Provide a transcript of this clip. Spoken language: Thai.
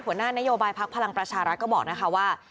หัวหน้านโยบายพักพลังประชารัฐก็บอกนะคะว่า